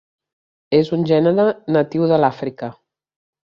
És un gènere natiu de l'Àfrica.